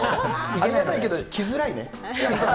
ありがたいけど、着づらいね。